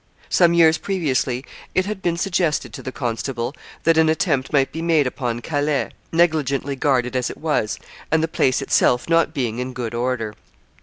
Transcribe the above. Some years previously it had been suggested to the constable that an attempt might be made upon Calais, negligently guarded as it was, and the place itself not being in good order.